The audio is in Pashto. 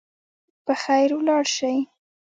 په خیر ولاړ سئ.